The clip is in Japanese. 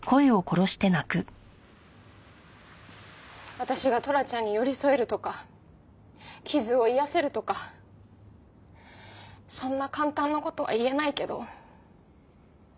私がトラちゃんに寄り添えるとか傷を癒やせるとかそんな簡単な事は言えないけど。